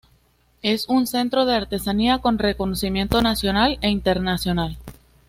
Es un centro de artesanía, con reconocimiento nacional e internacional.